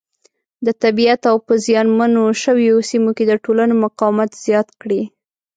د طبیعیت او په زیان منو شویو سیمو کې د ټولنو مقاومت زیات کړي.